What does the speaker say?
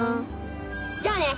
じゃあね！